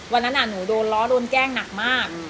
วันนั้นหนูโดนล้อโดนแกล้งหนักมาก